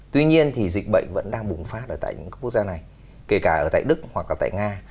tuy nhiên thì dịch bệnh vẫn đang bùng phát ở tại các quốc gia này kể cả ở tại đức hoặc là tại nga